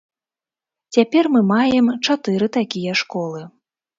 Цяпер мы маем чатыры такія школы.